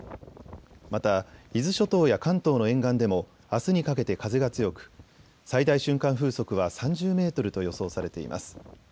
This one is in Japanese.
また伊豆諸島や関東の沿岸でもあすにかけて風が強く最大瞬間風速は３０メートルと予想されています。